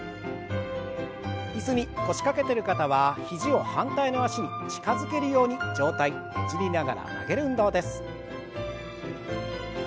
椅子に腰掛けてる方は肘を反対の脚に近づけるように上体ねじりながら曲げる運動です。